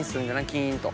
キーンと。